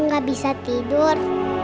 gak bisa tidur